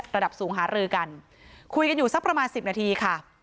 ระดับสูงหารือกันคุยกันอยู่สักประมาณสิบนาทีค่ะ